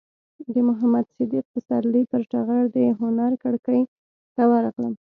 د محمد صدیق پسرلي پر ټغر د هنر کړکۍ ته ورغلم.